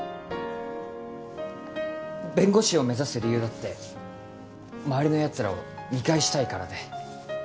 弁護士を目指す理由だって周りのやつらを見返したいからで。